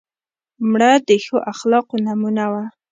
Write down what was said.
مړه د ښو اخلاقو نمونه وه